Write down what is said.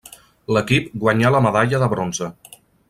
L'equip guanyà la medalla de bronze.